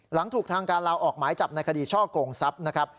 หลังถูกทางการลาวออกหมายจับในคดีช่อกงทรัพย์นะครับ